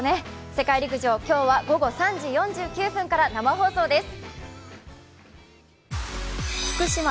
世界陸上、今日は午後３時４９分から生放送です。